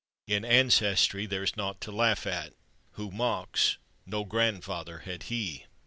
In ancestry there's naught to laugh at; Who mocks, no grandfather had he!